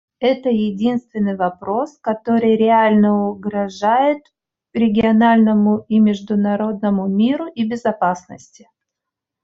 Это единственный вопрос, который реально угрожает региональному и международному миру и безопасности.